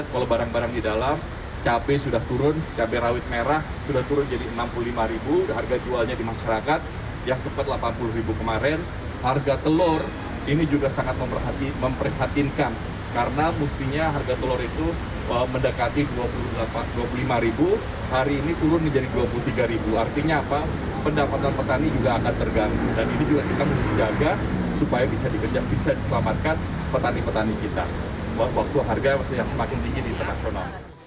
waktu harga semakin tinggi di teras sono